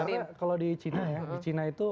karena kalau di china ya di china itu